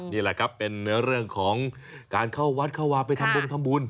นี่แหละครับเป็นเรื่องของการเข้าวัดเข้าวาไปทำบุญทำบุญ